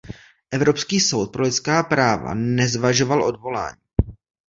Evropský soud pro lidská práva nezvažoval odvolání.